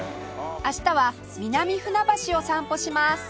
明日は南船橋を散歩します